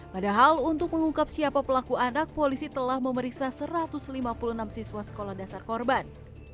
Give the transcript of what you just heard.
padahal untuk mengungkap siapa pelaku anak polisi telah memeriksa satu ratus lima puluh enam siswa sekolah dasar korban